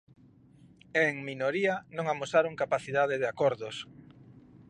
E en minoría, non amosaron capacidade de acordos.